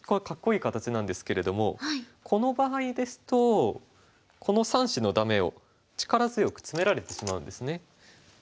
かっこいい形なんですけれどもこの場合ですとこの３子のダメを力強くツメられてしまうんですね。